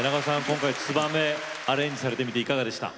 今回「ツバメ」アレンジされてみていかがでした。